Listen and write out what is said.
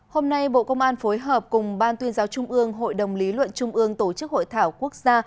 hôm nay bộ công an phối hợp cùng ban tuyên giáo trung ương hội đồng lý luận trung ương tổ chức hội thảo quốc gia